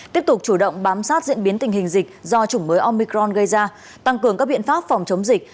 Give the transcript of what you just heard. tiếp tục chủ động bám sát diễn biến tình hình dịch do chủng mới omicron gây ra tăng cường các biện pháp phòng chống dịch